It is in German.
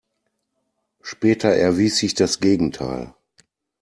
Später erwies sich das Gegenteil.